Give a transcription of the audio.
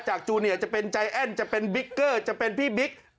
จูเนียจะเป็นใจแอ้นจะเป็นบิ๊กเกอร์จะเป็นพี่บิ๊ก